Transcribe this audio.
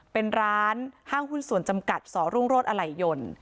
เป็นร้านห้างหุ้นส่วนจำกัดสรุ่งโรธอะไหลยน